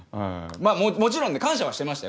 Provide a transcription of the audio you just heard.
もちろん感謝はしてましたよ